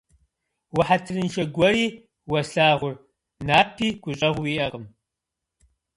- Ухьэтырыншэ гуэри уэ слъагъур, напи гущӏэгъуи уиӏэкъым.